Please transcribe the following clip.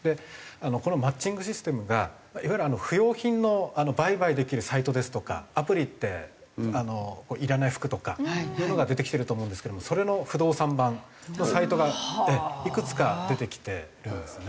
このマッチングシステムがいわゆる不要品の売買できるサイトですとかアプリっていらない服とかっていうのが出てきてると思うんですけどもそれの不動産版のサイトがいくつか出てきてるんですね。